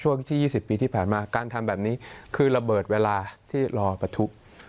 เสียงของการให้อาจจะอยู่ในสิ่งที่จะทำแบบนี้คือระเบิดเวลาที่รอปะทุ